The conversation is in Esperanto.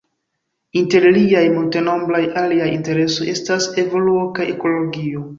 Inter liaj multenombraj aliaj interesoj estas evoluo kaj ekologio.